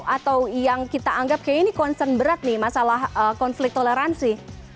atau yang kita anggap kayaknya ini concern berat nih masalah konflik toleransi